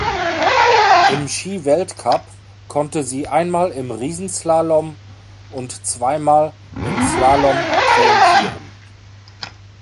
Im Skiweltcup konnte sie einmal im Riesenslalom und zweimal im Slalom triumphieren.